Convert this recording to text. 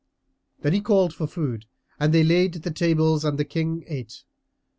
Then he called for food and they laid the tables and the King ate.